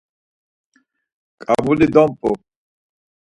Ǩabuli domp̌u.